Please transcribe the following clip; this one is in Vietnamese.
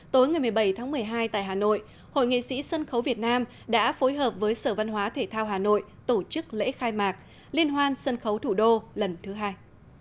tối ngày một mươi bảy tháng một mươi hai tại hà nội hội nghệ sĩ sân khấu việt nam đã phối hợp với sở văn hóa thể thao hà nội tổ chức lễ khai mạc liên hoan sân khấu thủ đô lần thứ hai